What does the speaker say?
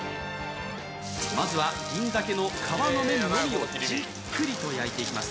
まずは銀鮭の皮の面のみをじっくり焼いていきます。